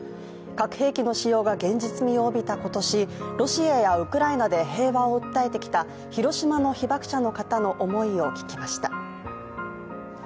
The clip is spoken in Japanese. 核兵器の使用が現実味を帯びた今年、ロシアやウクライナで平和を訴えてきた広島の被爆者の方の思いを聞きました。